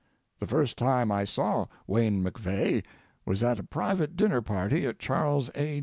The first time I saw Wayne MacVeagh was at a private dinner party at Charles A.